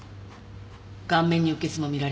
顔面に鬱血も見られる。